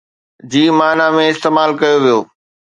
جي معنى ۾ استعمال ڪيو ويو